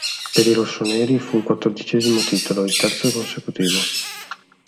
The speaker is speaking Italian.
Per i rossoneri fu il quattordicesimo titolo, il terzo consecutivo.